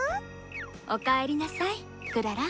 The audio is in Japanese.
おかえりなさいクララ。